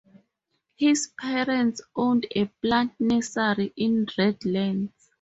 His parents owned a plant nursery in Redlands.